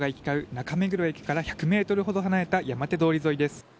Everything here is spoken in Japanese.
中目黒駅から１００ｍほど離れた山手通り沿いです。